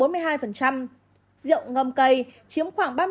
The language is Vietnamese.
rượu ngâm cây chiếm khoảng ba mươi sáu